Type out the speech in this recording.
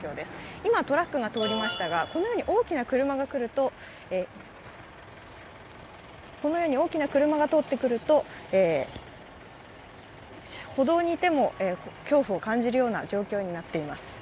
今、トラックが通りましたが、このように大きな車が通ってくると歩道にいても恐怖を感じるような状況になっています。